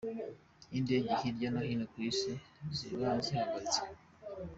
y’indege hirya no hino ku isi ziba zihagaritswe.